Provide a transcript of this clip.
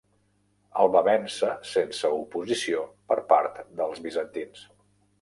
El va vèncer sense oposició per part dels bizantins.